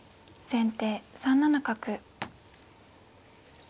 先手３七角。